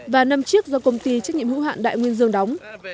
và năm chiếc do công ty trách nhiệm hữu hạn đại nguyên dương đóng